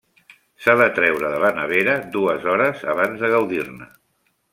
S'ha de treure de la nevera dues hores abans de gaudir-ne.